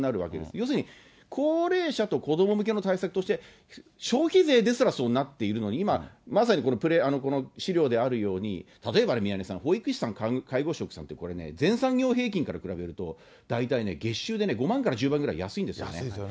要するに高齢者と子ども向けの対策として、消費税ですらそうなっているのに、今、まさにこれ、この資料であるように、例えばね、宮根さん、保育士さん、介護職さんって全産業平均から比べると、大体ね、月収でね５万から１０万くらい安いんですよね。